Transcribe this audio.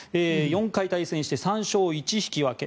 ４回対戦して３勝１引き分け。